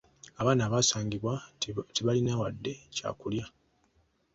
Abaana basangibwa tebalina wadde eky’okulya.